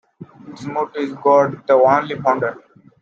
Its motto is "God, The Only Founder".